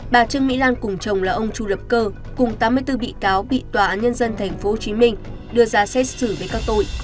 bà trương mỹ lan cùng chồng là ông chu lập cơ cùng tám mươi bốn bị cáo bị tòa án nhân dân tp hcm đưa ra xét xử với các tội